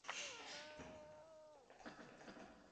与五百三公祠的受祀者都合葬于弥陀寺东侧的义民塔。